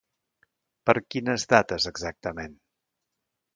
Per quines dates exactament?